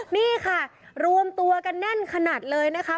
นี่ค่ะรวมตัวกันแน่นขนาดเลยนะคะ